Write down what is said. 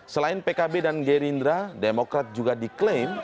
selain pkb dan gerindra demokrat juga diklaim